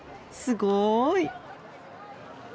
すごい。